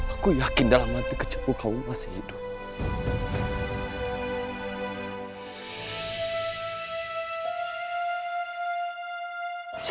aku yakin dalam hati kecewa kamu masih hidup